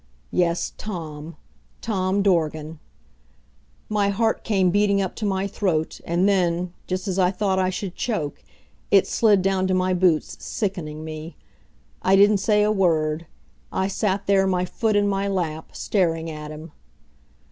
Yes Tom Tom Dorgan. My heart came beating up to my throat and then, just as I thought I should choke, it slid down to my boots, sickening me. I didn't say a word. I sat there, my foot in my lap, staring at him.